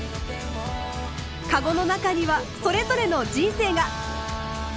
籠の中にはそれぞれの人生が。